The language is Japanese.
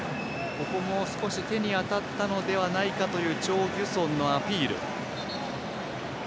ここも少し手に当たったのではないかというチョ・ギュソンのアピール。